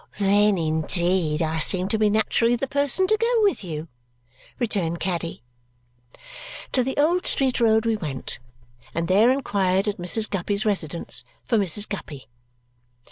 "Then, indeed, I seem to be naturally the person to go with you," returned Caddy. To the Old Street Road we went and there inquired at Mrs. Guppy's residence for Mrs. Guppy.